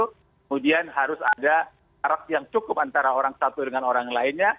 kemudian harus ada araf yang cukup antara orang satu dengan orang lainnya